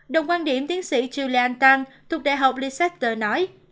đồng quan điểm tiến sĩ jillian tang thuộc đại học lisseter nói